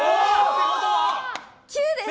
９です！